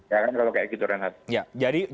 ya kan kalau kayak gitu renat